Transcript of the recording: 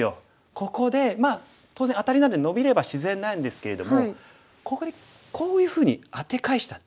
ここでまあ当然アタリなんでノビれば自然なんですけれどもここでこういうふうにアテ返した手。